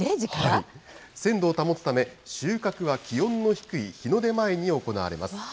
鮮度を保つため、収穫は気温の低い日の出前に行われます。